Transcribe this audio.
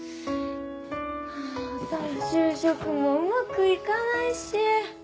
あぁ再就職もうまく行かないし。